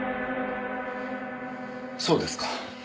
そうですか。